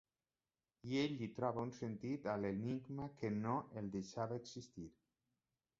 I ell li troba un sentit a l'enigma que no el deixava existir.